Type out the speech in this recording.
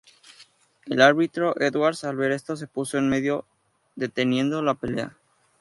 El árbitro Edwards, al ver esto, se puso en medio, deteniendo la pelea.